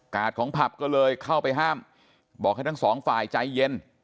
ของผับก็เลยเข้าไปห้ามบอกให้ทั้งสองฝ่ายใจเย็น